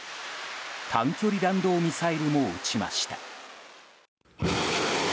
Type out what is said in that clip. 短距離弾道ミサイルも撃ちました。